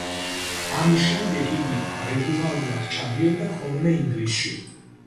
ამის შემდეგ იგი რეგულარულად ჩადიოდა ხოლმე ინგლისში.